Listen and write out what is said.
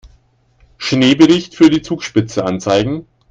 Schneebericht für die Zugspitze anzeigen.